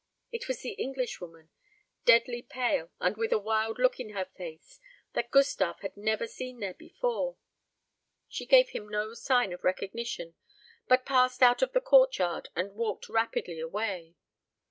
It was the Englishwoman, deadly pale, and with a wild look in her face that Gustave had never seen there before. She gave him no sign of recognition, but passed out of the courtyard, and walked rapidly away.